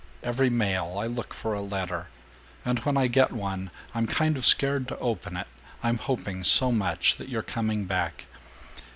Every mail I look for a letter, and when I get one I'm kind of scared to open it, I'm hoping so much that you're coming back.